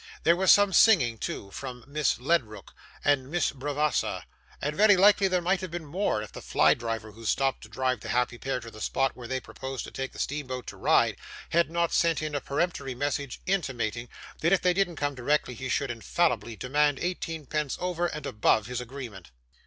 There was some singing, too, from Miss Ledrook and Miss Bravassa, and very likely there might have been more, if the fly driver, who stopped to drive the happy pair to the spot where they proposed to take steamboat to Ryde, had not sent in a peremptory message intimating, that if they didn't come directly he should infallibly demand eighteen pence over and above his agreement.